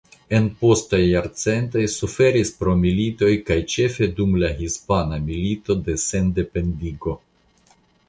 En postaj jarcentoj suferis pro militoj kaj ĉefe dum la Hispana Milito de Sendependigo.